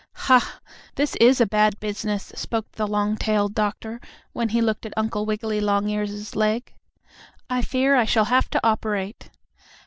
"Ha! This is bad business," spoke the long tailed doctor, when he looked at Uncle Wiggily Longears's leg. "I fear I shall have to operate."